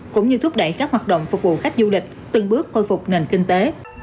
cũng như thúc đẩy các hoạt động phục vụ khách du lịch từng bước khôi phục nền kinh tế